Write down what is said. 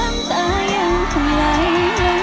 น้ำตายังคงไหล